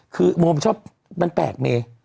คือโมมันชอบมันแปลกเม